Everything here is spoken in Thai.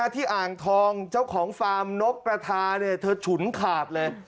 อ่างทองเจ้าของฟาร์มนกกระทาเธอฉุนขาดเลย